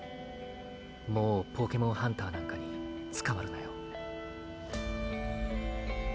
もうポケモンハンターなんかに捕まるなよ。